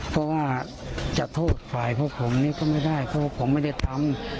เพราะว่าจะโทษฝ่ายพวกผมนี่ก็ไม่ได้เพราะผมไม่ได้ทำ